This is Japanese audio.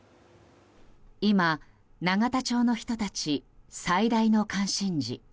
今、永田町の人たち最大の関心事。